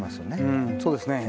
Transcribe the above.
うんそうですね。